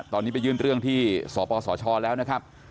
ตอนนี้ไปยื่นเรื่องที่สปสชแล้วนะครับ